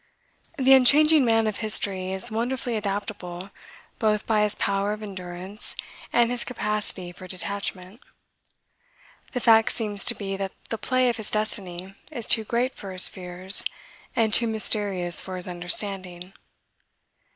The unchanging Man of history is wonderfully adaptable both by his power of endurance and in his capacity for detachment. The fact seems to be that the play of his destiny is too great for his fears and too mysterious for his understanding.